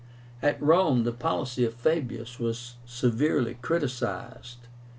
At Rome the policy of Fabius was severely criticised.